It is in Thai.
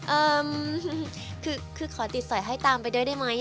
เอ่อคือขอติดสอยให้ตามไปด้วยได้ไหม